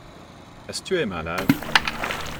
Est-ce que tu es malade ?